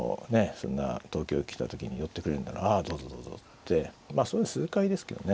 そんな東京へ来た時に寄ってくれるなら「ああどうぞどうぞ」ってまあそういうの数回ですけどね。